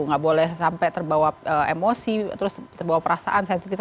nggak boleh sampai terbawa emosi terus terbawa perasaan sensitif